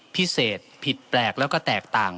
พิเศษผิดแปลกแล้วก็แตกต่าง